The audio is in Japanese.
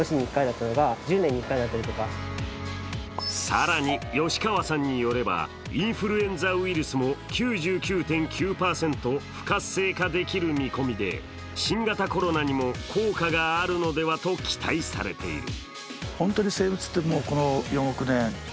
更に吉川さんによれば、インフルエンザウイルスも９９．９％不活性化できる見込みで、新型コロナにも効果があるのではと期待されている。